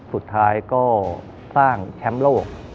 สุดท้ายก็สร้างแชมป์โลก